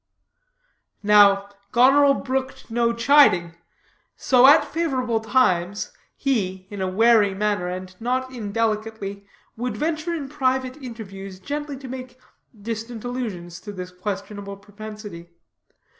Now Goneril brooked no chiding. So, at favorable times, he, in a wary manner, and not indelicately, would venture in private interviews gently to make distant allusions to this questionable propensity.